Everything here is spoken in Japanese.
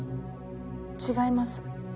違います。